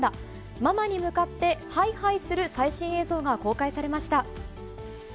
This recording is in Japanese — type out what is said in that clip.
ママに向かって、はいはいする最新映像が公開されました。